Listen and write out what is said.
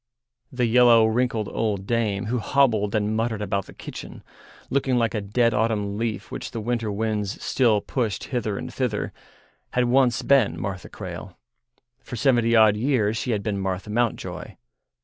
The yellow, wrinkled old dame who hobbled and muttered about the kitchen, looking like a dead autumn leaf which the winter winds still pushed hither and thither, had once been Martha Crale; for seventy odd years she had been Martha Mountjoy.